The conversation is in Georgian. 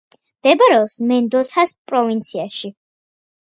მდებარეობს მენდოსას პროვინციაში.